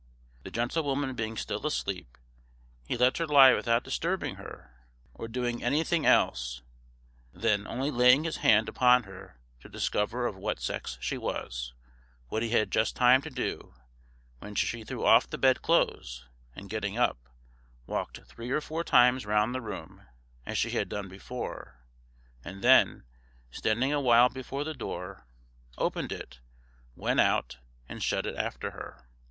The gentlewoman being still asleep, he let her lie without disturbing her or doing anything else than only laying his hand upon her to discover of what sex she was, which he had just time to do, when she threw off the bed clothes, and getting up, walked three or four times round the room, as she had done before, and then, standing awhile before the door, opened it, went out, and shut it after her.